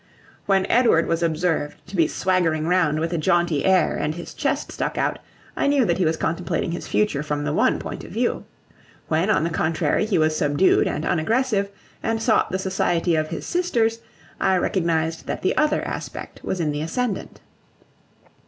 When Edward was observed to be swaggering round with a jaunty air and his chest stuck out, I knew that he was contemplating his future from the one point of view. When, on the contrary, he was subdued and unaggressive, and sought the society of his sisters, I recognised that the other aspect was in the ascendant.